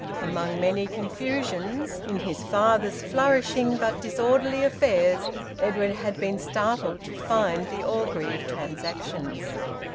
Among many confusions in his father's flourishing but disorderly affairs, Edwin had been startled to find the Orgreave transactions.